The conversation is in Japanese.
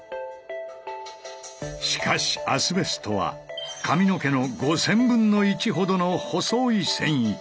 しかしアスベストは髪の毛の５０００分の１ほどの細い繊維。